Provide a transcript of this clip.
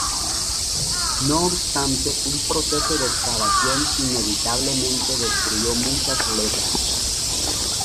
No obstante, un proceso de excavación inevitablemente destruyó muchas letras.